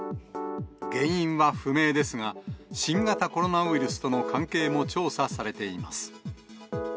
原因は不明ですが、新型コロナウイルスとの関係も調査されています。